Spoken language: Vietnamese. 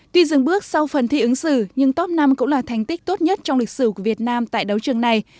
tuy dừng bước sau phần thi ứng xử nhưng top năm cũng là thành tích tốt nhất trong lịch sử của việt nam tại đấu trường này